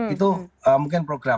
itu mungkin program